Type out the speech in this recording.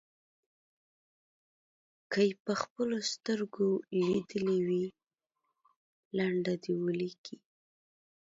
که یې په خپلو سترګو لیدلې وي لنډه دې ولیکي.